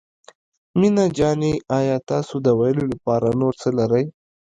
مينه جانې آيا تاسو د ويلو لپاره نور څه لرئ.